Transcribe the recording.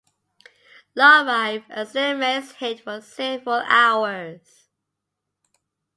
Larive and Steinmetz hid for several hours.